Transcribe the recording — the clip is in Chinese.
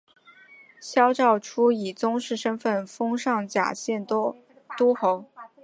萧韶初以宗室身份封上甲县都乡侯。